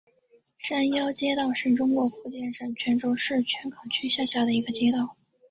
山腰街道是中国福建省泉州市泉港区下辖的一个街道。